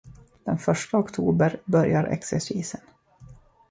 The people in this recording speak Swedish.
Den första oktober börjar exercisen.